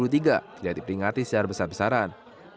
tidak diperingati secara besar besaran